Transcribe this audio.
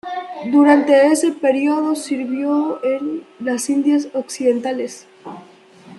Durante ese período sirvió en las Indias Occidentales.